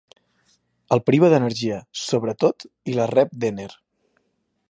El priva d'energia, sobretot i la rep d'Enher.